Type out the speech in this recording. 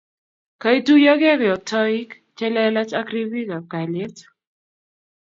kaituiyokei yoktoik chelelach ak rip ab kalyet